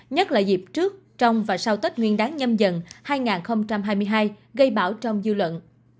nhất là dịp trước trong và sau tết nguyên đán nhân dân hai nghìn hai mươi hai gây bão trong dư luận